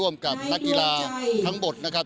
กับนักกีฬาทั้งหมดนะครับ